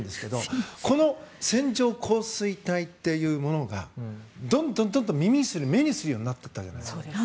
この線状降水帯というものをどんどん耳にする目にするようになったじゃないですか。